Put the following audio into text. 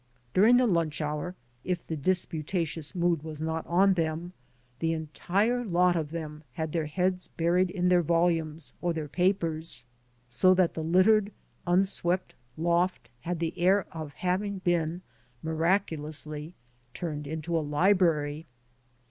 During the lunch hour, if the disputatious mood was not on them, the entire lot ^f them had their heads buried in their volumes or their papers, so that the littered, unswept loft had the air of having been miraculously turned into a library.